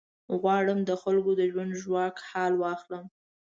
غواړم د خلکو د ژوند ژواک حال واخلم.